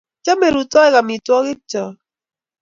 chamei rutoik amitwokikchok